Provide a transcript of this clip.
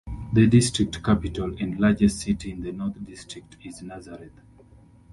The district capital and largest city in the North District is Nazareth.